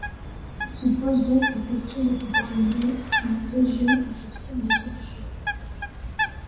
Se pose donc la question de déterminer une région où se trouvent les solutions.